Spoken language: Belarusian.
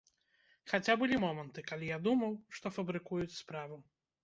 Хаця былі моманты, калі я думаў, што фабрыкуюць справу.